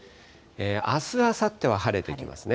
あす、あさっては晴れてきますね。